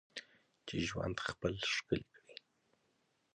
چې ژوند خپل ښکلی کړې.